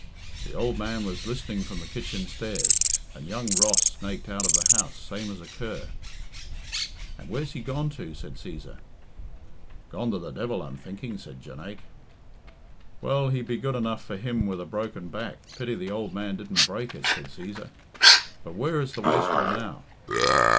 "The ould man was listening from the kitchen stairs, and young Ross snaked out of the house same as a cur." "And where's he gone to?" said Cæsar. "Gone to the devil, I'm thinking," said Jonaique. "Well, he'd be good enough for him with a broken back pity the ould man didn't break it," said Cæsar. "But where is the wastrel now?"